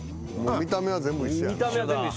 見た目は全部一緒っすね。